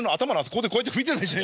ここでこうやって拭いてたでしょ